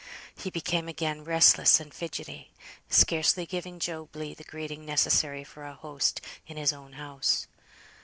He became again restless and fidgetty, scarcely giving Job Legh the greeting necessary for a host in his own house.